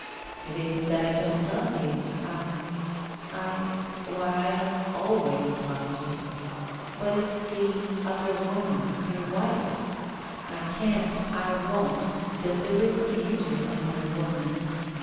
It isn't that I don't love you. I have always loved you — but it's thie other woman — your wife. I can't^ I won't, delib erately injure another woman.